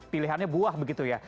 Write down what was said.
pilihannya buah begitu ya